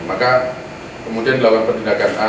maka kemudian dilakukan penindakan a